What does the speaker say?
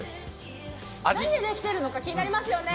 何でできているのか気になりますよね。